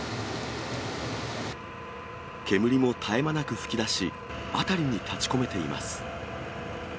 煙も絶え間なく噴き出し、辺りに立ちこめています。